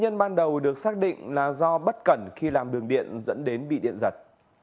nhân ban đầu được xác định là do bất cẩn khi làm đường điện dẫn đến bị điện giật